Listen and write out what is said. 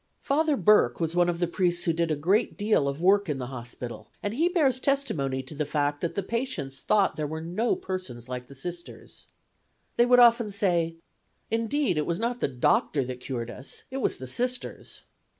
Father Burke was one of the priests who did a great deal of work in the hospital, and he bears testimony to the fact that the patients thought there were no persons like the Sisters. They would often say: "Indeed, it was not the doctor that cured us; it was the Sisters."